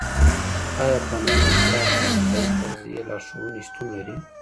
آیا په نوي نصاب کي د روغتیایی تغذیې لارښوونې شتون لري؟